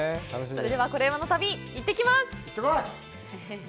それでは「コレうまの旅」行ってきます。